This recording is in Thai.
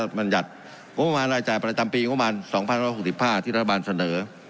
งบประมาณรายและจ่ายประตันปี๒๖๖๕ที่รัฐบาลเสนอ